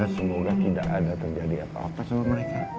semoga tidak ada terjadi apa apa sama mereka